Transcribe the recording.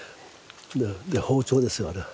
包丁ですよあれは。